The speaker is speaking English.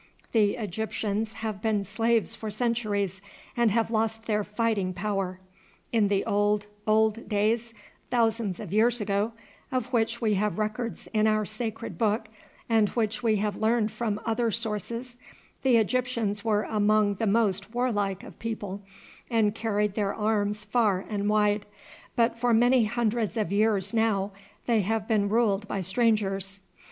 The Egyptians have been slaves for centuries and have lost their fighting power. In the old, old days, thousands of years ago, of which we have records in our sacred book, and which we have learned from other sources, the Egyptians were among the most war like of people and carried their arms far and wide, but for many hundreds of years now they have been ruled by strangers.